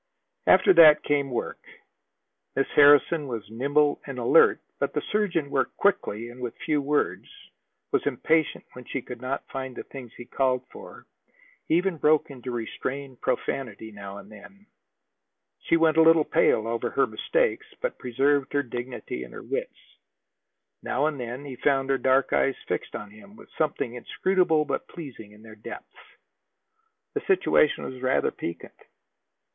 After that came work. Miss Harrison was nimble and alert, but the surgeon worked quickly and with few words, was impatient when she could not find the things he called for, even broke into restrained profanity now and then. She went a little pale over her mistakes, but preserved her dignity and her wits. Now and then he found her dark eyes fixed on him, with something inscrutable but pleasing in their depths. The situation was rather piquant.